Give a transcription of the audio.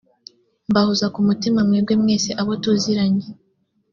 mbahoza ku mutima mwebwe mwese abotuziranye.